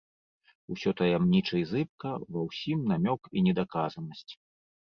Усё таямніча і зыбка, ва ўсім намёк і недаказанасць.